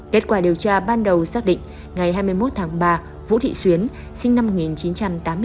kết quả điều tra ban đầu xác định ngày hai mươi một tháng ba vũ thị xuyến sinh năm một nghìn chín trăm tám mươi bốn